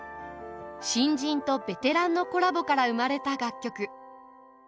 新人とベテランのコラボから生まれた楽曲。